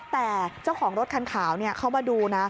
แต่เจ้าของรถคันขาวเขามาดูนะ